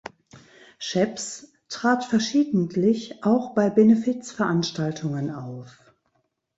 Scheps trat verschiedentlich auch bei Benefizveranstaltungen auf.